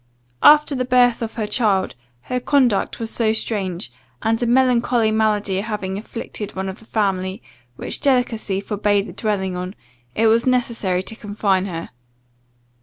After the birth of her child, her conduct was so strange, and a melancholy malady having afflicted one of the family, which delicacy forbade the dwelling on, it was necessary to confine her.